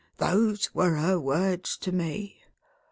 "1 Those were her words to me.